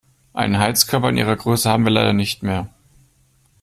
Einen Heizkörper in Ihrer Größe haben wir leider nicht mehr.